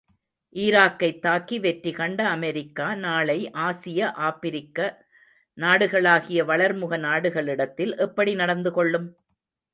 ஈராக்கைத் தாக்கி வெற்றி கண்ட அமெரிக்கா, நாளை ஆசிய ஆப்பிரிக்க நாடுகளாகிய வளர்முக நாடுகளிடத்தில் எப்படி நடந்து கொள்ளும்?